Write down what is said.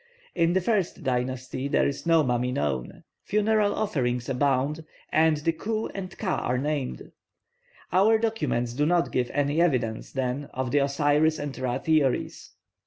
In the first dynasty there is no mummy known, funeral offerings abound, and the khu and ka are named. Our documents do not give any evidence, then, of the Osiris and Ra theories.